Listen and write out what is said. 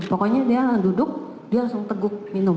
pokoknya dia duduk dia langsung teguk minum